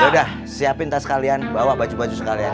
ya udah siapin tas kalian bawa baju baju sekalian